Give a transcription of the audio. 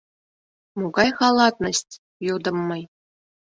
— Могай халатность? — йодым мый.